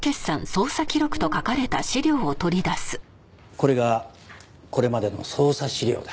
これがこれまでの捜査資料だ。